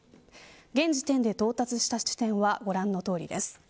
現時点で到達した地点はご覧の通りです。